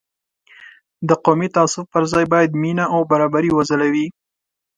د قومي تعصب پر ځای باید مینه او برابري وځلوي.